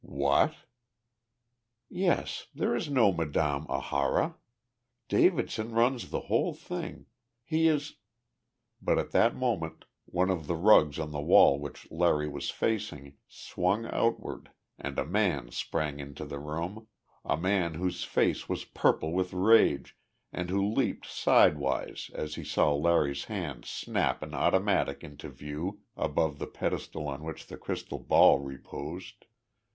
"What?" "Yes, there is no Madame Ahara. Davidson runs the whole thing. He is " But at that moment one of the rugs on the wall which Larry was facing swung outward and a man sprang into the room, a man whose face was purple with rage and who leaped sidewise as he saw Larry's hand snap an automatic into view above the pedestal on which the crystal ball reposed.